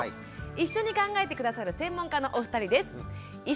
一緒に考えて下さる専門家のお二人です。